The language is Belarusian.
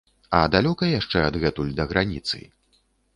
А далёка яшчэ адгэтуль да граніцы?